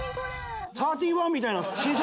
サーティワンみたいな新作？